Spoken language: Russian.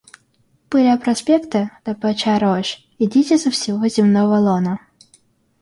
Пыля проспекты, топоча рожь, идите со всего земного лона.